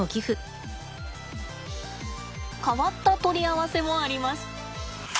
変わった取り合わせもあります。